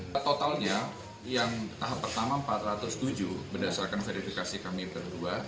petotalnya yang tahap pertama empat ratus tujuh berdasarkan verifikasi kami yang kedua